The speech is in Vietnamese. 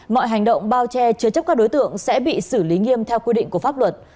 mọi hành động bao che chứa chấp các đối tượng sẽ bị xử lý nghiêm theo quy định của pháp luật